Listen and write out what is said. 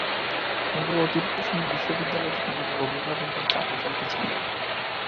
এভাবে অতিরিক্ত সময় বিশ্ববিদ্যালয়ে থেকে আমাদের অভিভাবকদের চাপে ফেলতে চাই না।